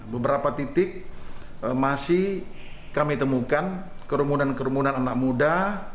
beberapa titik masih kami temukan kerumunan kerumunan anak muda